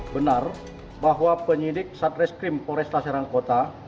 benar bahwa penyidik satreskrim polresta serangkota